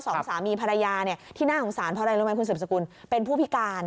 สองสามีภรรยาเนี่ยที่น่าสงสารเพราะอะไรรู้ไหมคุณสืบสกุลเป็นผู้พิการ